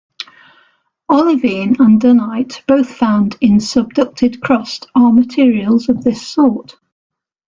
Olivine and dunite, both found in subducted crust, are materials of this sort.